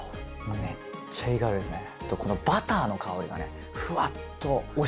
めっちゃいい香りですね